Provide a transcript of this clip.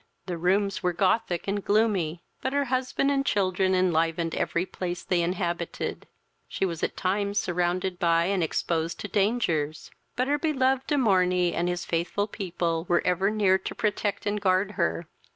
The rooms were Gothic and gloomy, but her husband and children enlivened every place they inhabited. She was at times surrounded by and exposed to dangers; but her beloved De Morney and his faithful people were ever near to protect and guard her.